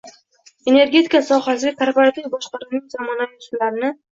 energetika sohasiga korporativ boshqaruvning zamonaviy usullarini